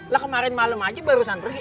lah kemarin malam aja barusan pergi